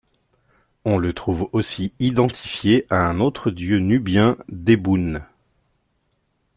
On le trouve aussi identifié à un autre dieu nubien Dedoun.